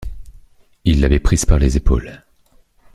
Il l’avait prise par les épaules.